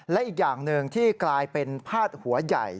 และอีกอย่างหนึ่งที่กลายเป็นพาดหัวใหญ่